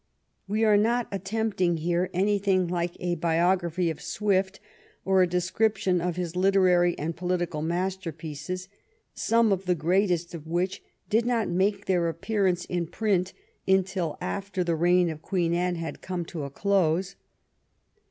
We are not attempting here anything like a biography of Swift or a descrip tion of his literary and political masterpieces, some of the greatest of which did not make their appearance in print until after the reign of Queen Anne had come to its close.